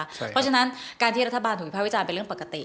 เพราะฉะนั้นการที่รัฐบาลถูกวิภาควิจารณ์เป็นเรื่องปกติ